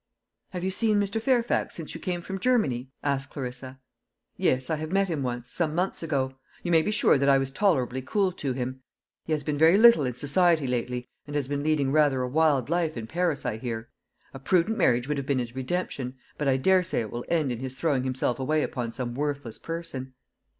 "Have you seen Mr. Fairfax since you came from Germany?" asked Clarissa. "Yes, I have met him once some months ago. You may be sure that I was tolerably cool to him. He has been very little in society lately, and has been leading rather a wild life in Paris, I hear. A prudent marriage would have been his redemption; but I daresay it will end in his throwing himself away upon some worthless person."